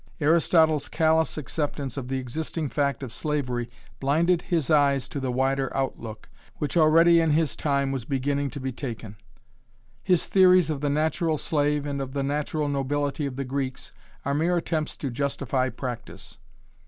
Aristotle's callous acceptance of the existing fact of slavery blinded his eyes to the wider outlook, which already in his time was beginning to be taken. His theories of the natural slave and of the natural nobility of the Greeks are mere attempts to justify practice.